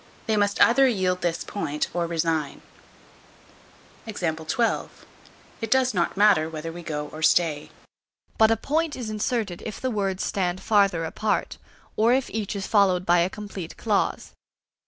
They must either yield this point or resign. It does not matter whether we go or stay. But a point is inserted if the words stand farther apart, or if each is followed by a complete clause.